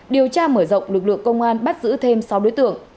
điều tra mở rộng lực lượng công an bắt giữ thêm sáu đối tượng